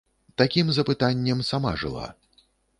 Такім запытаннем сама жыла.